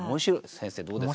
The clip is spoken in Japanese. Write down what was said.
先生どうですか？